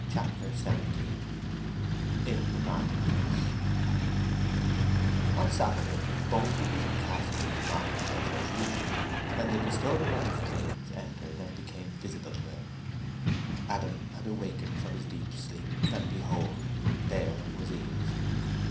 CHAPTER XVII IN THE MARKET PLACE On Saturday Boldwood was in Casterbridge market house as usual, when the disturber of his dreams entered and became visible to him. Adam had awakened from his deep sleep, and behold! there was Eve.